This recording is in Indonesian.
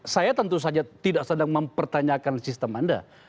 saya tentu saja tidak sedang mempertanyakan sistem anda